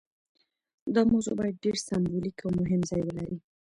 دا موضوع باید ډیر سمبولیک او مهم ځای ولري.